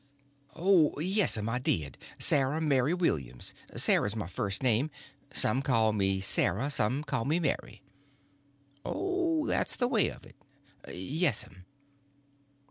"Oh, yes'm, I did. Sarah Mary Williams. Sarah's my first name. Some calls me Sarah, some calls me Mary." "Oh, that's the way of it?" "Yes'm."